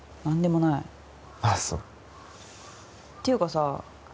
何でもないあっそていうかさ